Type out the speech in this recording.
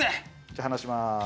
じゃあ離します。